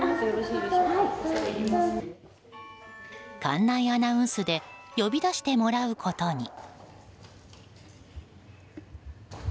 館内アナウンスで呼び出してもらうことに。